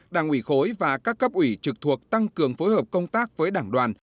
đảng ủy khối và các cấp ủy trực thuộc tăng cường phối hợp công tác với đảng đoàn